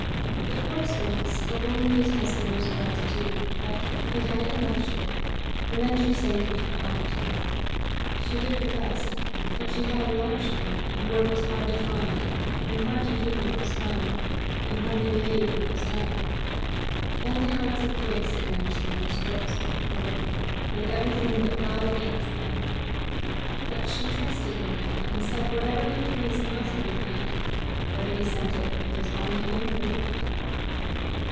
"There was once a woman whose husband was well to do, but he died and left her, and then she sank into poverty. She did her best; but she had a large family, and work was hard to find, and hard to do when it was found, and hardly paid when it was done. Only hearts of grace can understand the struggles of the poor with everything but God against them! But she trusted in God, and said whatever he pleased must be right, whether he sent it with his own hand or not.